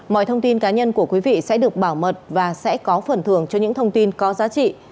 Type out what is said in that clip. mọi thông tin cá nhân của quý vị sẽ được bảo mật và sẽ có phần thường cho những thông tin có giá trị